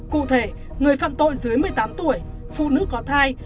cụ thể người phạm tội dưới một mươi tám tuổi phụ nữ có thai